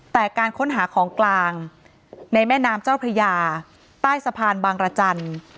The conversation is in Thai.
แต่การค้นหาของกลางในแม่น้ำเจ้าพระยาใต้สะพานบางรจันทร์